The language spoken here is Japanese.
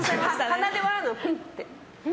鼻で笑うの、フンッて。